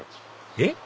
えっ？